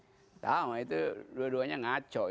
itu sama dua duanya ngaco